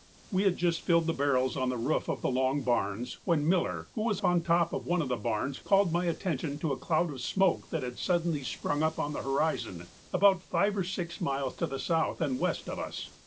We had just filled the barrels on the roof of the long barns, when Miller, who was on top of one of the barns, called my attention to a cloud of smoke that had suddenly sprung up on the horizon about five or six miles to the south and west of us.